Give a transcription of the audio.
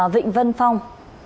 vịnh vân phong